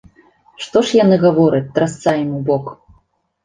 Што ж яны гавораць, трасца ім ў бок?